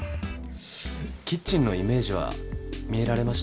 キッチンのイメージは見えられましたか？